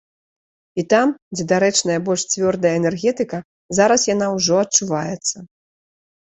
І там, дзе дарэчная больш цвёрдая энергетыка, зараз яна ўжо адчуваецца.